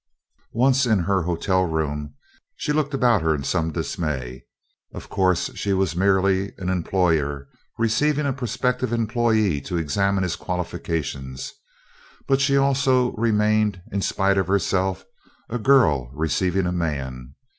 Once in her room at the hotel, she looked about her in some dismay. Of course she was merely an employer receiving a prospective employee to examine his qualifications, but she also remained, in spite of herself, a girl receiving a man.